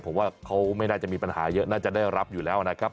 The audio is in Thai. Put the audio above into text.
ผมว่าเขาไม่น่าจะมีปัญหาเยอะน่าจะได้รับอยู่แล้วนะครับ